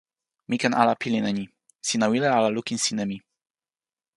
mi ken ala pilin e ni: sina wile ala lukin sin e mi.